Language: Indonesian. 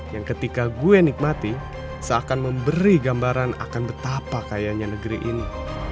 yang ketika gue nikmati seakan memberi gambaran akan betapa kayanya negeri ini